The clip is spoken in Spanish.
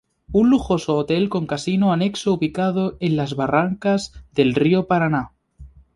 Un lujoso Hotel con casino anexo ubicado en las barrancas del río Paraná.